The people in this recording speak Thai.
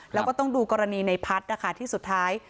แล้วก็ต้องดูกรณีในพัฒน์นะคะที่สุดท้าย